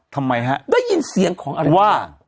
ทำไมฮะได้ยินเสียงของอะไรว่า